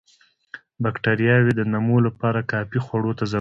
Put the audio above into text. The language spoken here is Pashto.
باکټریاوې د نمو لپاره کافي خوړو ته ضرورت لري.